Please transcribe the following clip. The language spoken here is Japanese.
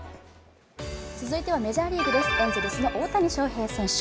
続いてはメジャーリーグです、エンゼルスの大谷翔平選手。